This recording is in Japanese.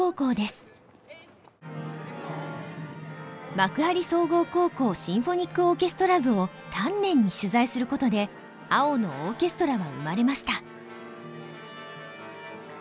幕張総合高校シンフォニックオーケストラ部を丹念に取材することで「青のオーケストラ」は生まれました。